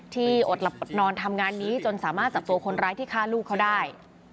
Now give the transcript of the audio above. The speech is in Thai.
อดหลับนอนทำงานนี้จนสามารถจับตัวคนร้ายที่ฆ่าลูกเขาได้